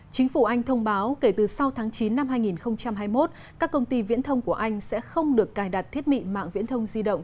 chính phủ anh thông báo kể từ sau tháng chín năm hai nghìn hai mươi một các công ty viễn thông của anh sẽ không được cài đặt thiết bị mạng viễn thông di động